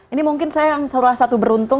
ini mungkin saya yang salah satu beruntung